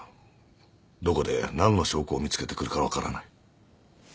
どこで何の証拠を見つけてくるか分からない。